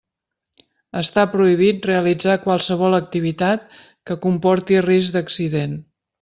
Està prohibit realitzar qualsevol activitat que comporti risc d'accident.